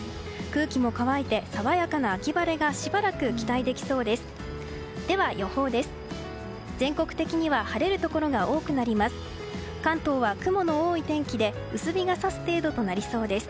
空気も乾いて爽やかな秋晴れがしばらく期待できそうです。